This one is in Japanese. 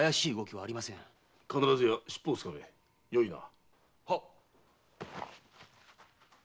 必ずや尻尾をつかめ。よいな？